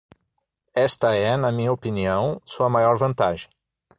Esta é, na minha opinião, sua maior vantagem.